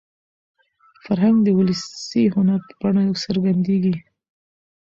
فرهنګ د ولسي هنر په بڼه څرګندېږي.